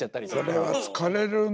それは疲れるね。